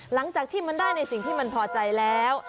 หลังจากที่มันได้ในสิ่งที่มันพอใจแล้ว